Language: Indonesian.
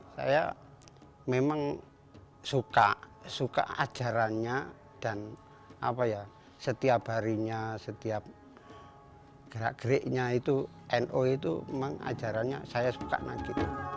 saya memang suka suka ajarannya dan setiap harinya setiap gerak geriknya itu no itu memang ajarannya saya suka nagi